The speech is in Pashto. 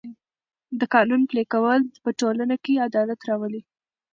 د قانون پلي کول په ټولنه کې عدالت راولي.